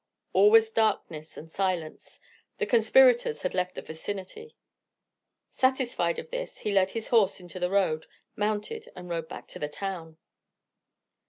All was darkness and silence; the conspirators had left the vicinity. Satisfied of this, he led his horse into the road, mounted and rode back to the town.